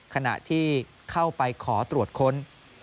ขณะที่เข้าไปขอตรวจค้น